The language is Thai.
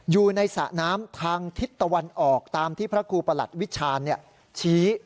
สระน้ำทางทิศตะวันออกตามที่พระครูประหลัดวิชาญชี้